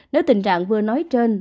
nếu tình trạng vừa nói trên